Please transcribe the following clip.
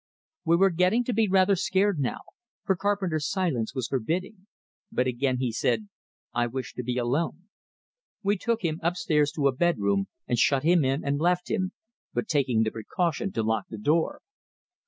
We were getting to be rather scared now, for Carpenter's silence was forbidding. But again he said: "I wish to be alone." We took him upstairs to a bed room, and shut him in and left him but taking the precaution to lock the door.